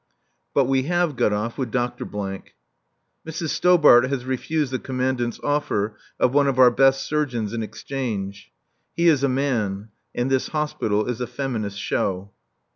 But we have got off with Dr. . Mrs. Stobart has refused the Commandant's offer of one of our best surgeons in exchange. He is a man. And this hospital is a Feminist Show.